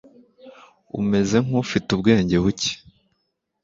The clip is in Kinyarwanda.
umeze nk’ufite ubwenge buke